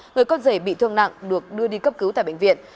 người con rể bị thương nặng được đưa đi cấp cứu tại bệnh viện